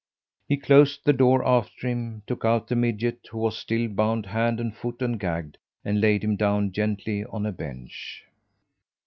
He closed the door after him, took out the midget, who was still bound hand and foot and gagged, and laid him down gently on a bench.